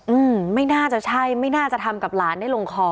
อืมไม่น่าจะใช่ไม่น่าจะทำกับหลานได้ลงคอ